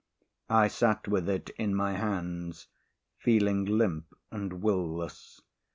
I sat with it in my hands, feeling limp and will less.